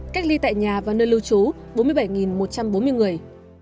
cách ly tại nhà và nơi lưu trú bốn mươi bảy một trăm bốn mươi người